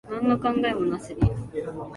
なんの考えもなしに。